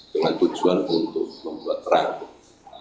dengan tujuan untuk membuat rambut